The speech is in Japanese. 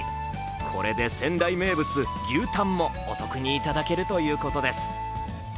これで仙台名物牛タンもお得にいただけるということです。